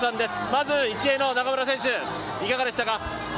まず、１泳の中村選手いかがでしたか？